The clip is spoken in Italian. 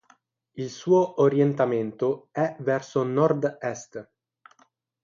Il suo orientamento è verso nord est.